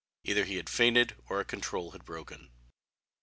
Either he had fainted or a control had broken.